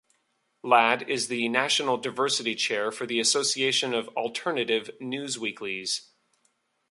Ladd is the national Diversity Chair for the Association of Alternative Newsweeklies.